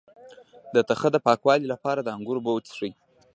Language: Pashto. د تخه د پاکوالي لپاره د انګور اوبه وڅښئ